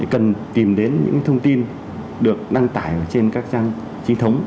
cần tìm đến những thông tin được đăng tải trên các trang trí thống